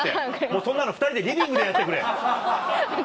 そんなの２人でリビングでやってくれ。